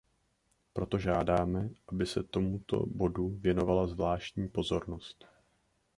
Proto žádáme, aby se tomuto bodu věnovala zvláštní pozornost.